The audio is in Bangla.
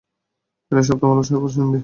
এটা সব তোমার উপর স্যান্ডি।